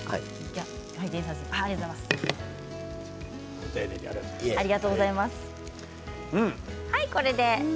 ご丁寧にありがとうございます。